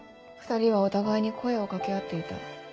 ２人はお互いに声を掛け合っていた。